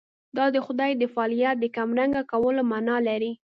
دا د خدای د فاعلیت د کمرنګه کولو معنا لري.